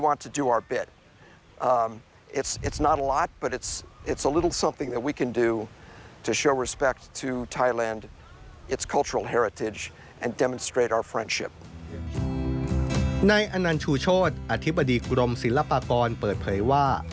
นายอนันชูโชธอธิบดีกรมศิลปากรเปิดเผยว่า